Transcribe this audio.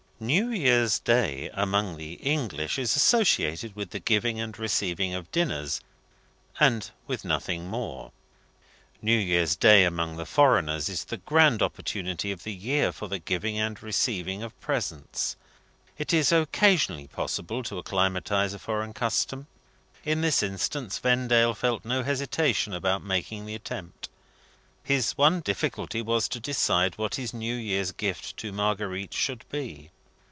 New Year's Day, among the English, is associated with the giving and receiving of dinners, and with nothing more. New Year's Day, among the foreigners, is the grand opportunity of the year for the giving and receiving of presents. It is occasionally possible to acclimatise a foreign custom. In this instance Vendale felt no hesitation about making the attempt. His one difficulty was to decide what his New Year's gift to Marguerite should be.